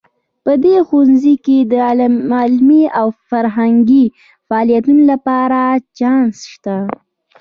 په دې ښوونځي کې د علمي او فرهنګي فعالیتونو لپاره چانس شته